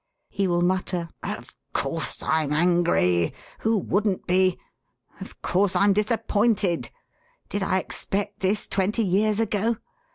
He will mutter: 'Of course I'm angry! Who wouldn't be? Of course I'm disappointed! Did I expect this twenty years ago?